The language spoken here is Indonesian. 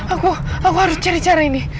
aku harus cari cara ini